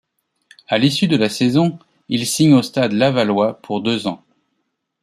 À l'issue de la saison, il signe au Stade lavallois pour deux ans.